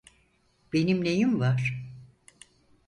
Benim neyim var?